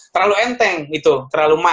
terlalu enteng gitu terlalu mal